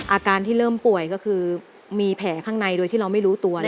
อาการที่เริ่มป่วยก็คือมีแผลข้างในโดยที่เราไม่รู้ตัวเลย